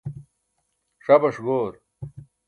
ṣabaṣ goor